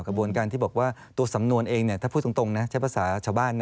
กระบวนการที่บอกว่าตัวสำนวนเองถ้าพูดตรงนะใช้ภาษาชาวบ้าน